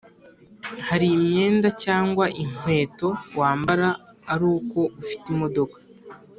hari imyenda cyangwa inkweto wambara aruko ufite imodoka